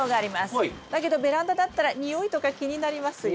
だけどベランダだったら臭いとか気になりますよね。